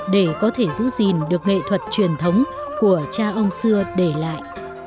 để có thể giữ gìn được nghệ thuật truyền thống của cha ông xưa để lại